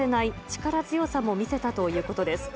力強さも見せたということです。